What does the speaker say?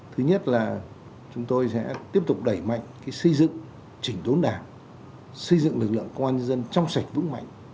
thứ nhất là chúng tôi sẽ tiếp tục đẩy mạnh xây dựng chỉnh đốn đảng xây dựng lực lượng công an dân trong sạch vững mạnh